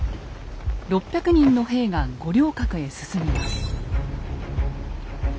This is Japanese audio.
６００人の兵が五稜郭へ進みます。